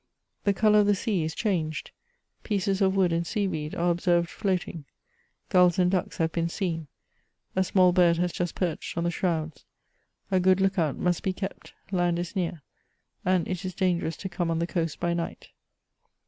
The colour of the sea is changed ; pieces of wood and sea weed are observed floating ; gulls and ducks have been seen ; a small bird has just perched on the shrouds ; a g^ood look out must be kept ; land is near, and it is dangerous to come on the coast by night.